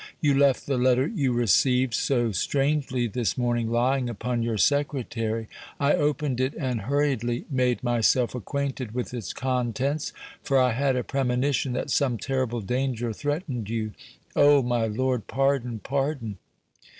You left the letter you received so strangely this morning lying upon your secretary. I opened it and hurriedly made myself acquainted with its contents, for I had a premonition that some terrible danger threatened you. Oh! my lord, pardon, pardon!"